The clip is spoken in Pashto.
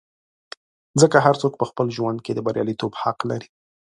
ځکه هر څوک په خپل ژوند کې د بریالیتوب حق لري.